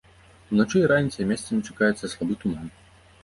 Уначы і раніцай месцамі чакаецца слабы туман.